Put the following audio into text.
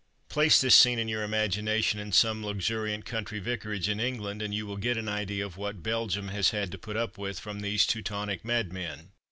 Place this scene in your imagination in some luxuriant country vicarage in England, and you will get an idea of what Belgium has had to put up with from these Teutonic madmen.